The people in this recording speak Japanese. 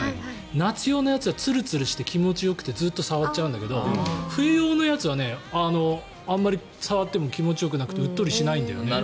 夏用のやつはつるつるして気持ちよくてずっと触っちゃうんだけど冬用のやつはあまり触っても気持ちよくなくてうっとりしないんだよね。